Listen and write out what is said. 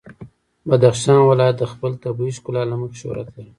بدخشان ولایت د خپل طبیعي ښکلا له مخې شهرت لري.